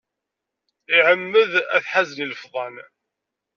Iɛemmed ad teḥazen ilefḍan.